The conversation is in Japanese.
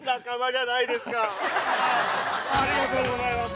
ありがとうございます。